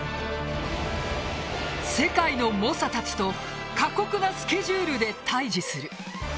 世界の猛者たちと過酷なスケジュールで対峙する。